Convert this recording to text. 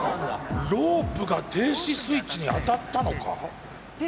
ロープが停止スイッチに当たったのか？